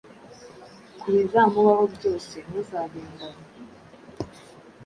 ku bizamubaho byose ntuzabimbaze